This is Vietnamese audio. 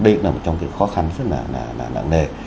đây cũng là một trong những cái khó khăn rất là nặng nề